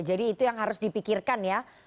jadi itu yang harus dipikirkan ya